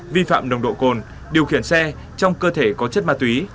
vi phạm nồng độ cồn điều khiển xe trong cơ thể có chất ma túy